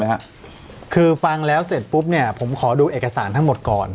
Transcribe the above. คือฟังแล้วเสร็จปุ๊บเนี่ยผมขอดูเอกสารทั้งหมดก่อน